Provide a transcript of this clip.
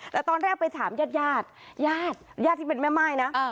แต่ตอนแรกไปถามญาติญาติญาติญาติที่เป็นแม่ไม้นะเออ